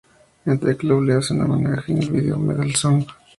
Culture Club le hacen homenaje en el video "Medal Song".